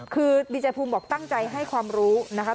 คือดีเจภูมิบอกตั้งใจให้ความรู้นะคะ